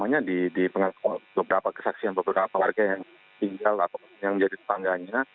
jadi di beberapa kesaksian beberapa warga yang tinggal atau yang jadi tetangganya